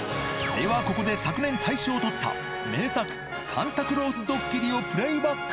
ではここで昨年、大賞をとった名作、サンタクロースドッキリをプレイバック。